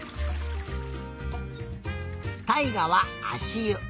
たいがはあしゆ。